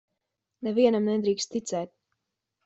Nevienam nedrīkst ticēt.